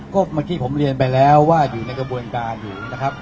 ก็เมื่อกี้ผมเรียนไปแล้วว่าอยู่ในกระบวนการอยู่นะครับ